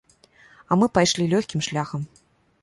А мы пайшлі лёгкім шляхам.